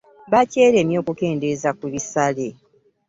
Bakyeremye okukendeeza ku bisale.